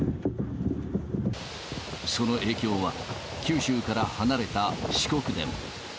その影響は、九州から離れた四国でも。